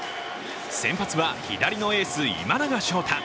先発は左のエース・今永昇太。